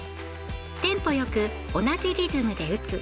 テンポよく同じリズムで打つ。